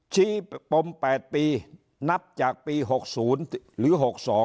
ปม๘ปีนับจากปี๖๐หรือ๖๒